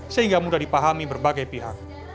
sehingga mudah dipahami berbagai pihak